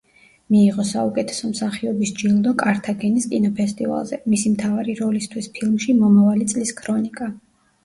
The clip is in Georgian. მიიღო საუკეთესო მსახიობის ჯილდო კართაგენის კინოფესტივალზე, მისი მთავარი როლისთვის ფილმში „მომავალი წლის ქრონიკა“.